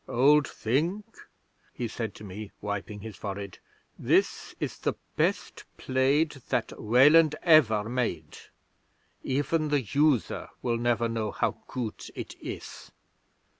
"Old Thing," he said to me, wiping his forehead, "this is the best blade that Weland ever made. Even the user will never know how good it is.